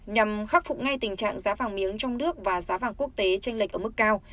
nhằm khắc phục ngay tình trạng giá vàng miếng trong nước và giá vàng quốc tế tranh lệch ở mức cao